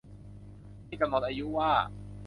ที่กำหนดอายุว่า